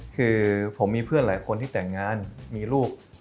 คือผมมีเพื่อนหลายคนที่แต่งงานมีลูก